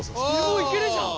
もういけるじゃん。